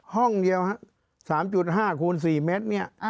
ห้องเดียว๓๕คูณ๔เมตรเนี่ย